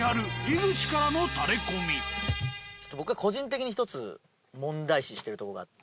僕が個人的に１つ問題視してるとこがあって。